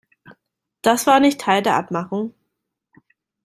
Das war nicht Teil der Abmachung!